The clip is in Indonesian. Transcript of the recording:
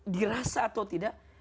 dirasa atau tidak